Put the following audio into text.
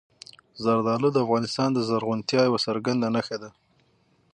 زردالو د افغانستان د زرغونتیا یوه څرګنده نښه ده.